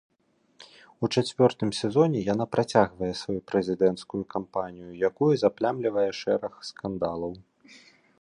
У чацвёртым сезоне яна працягвае сваю прэзідэнцкую кампанію, якую заплямлівае шэраг скандалаў.